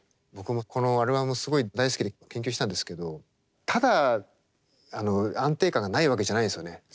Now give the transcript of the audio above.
僕もこのアルバムすごい大好きで研究したんですけどただ安定感がないわけじゃないですよね。